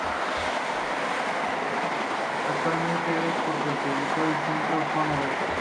Actualmente es un parque público del centro de Hannover.